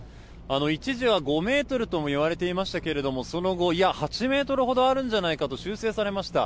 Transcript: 一時は５ｍともいわれていましたがその後８ｍほどあるんじゃないかと修正されました。